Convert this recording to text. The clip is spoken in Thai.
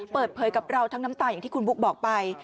เปิดเผยกับเราทั้งน้ำตาอย่างที่คุณบุ๊คบอกไป